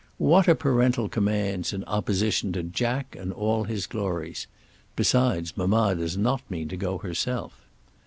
What are parental commands in opposition to Jack and all his glories? Besides mamma does not mean to go herself.